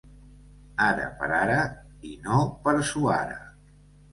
Ara per ara i no per suara.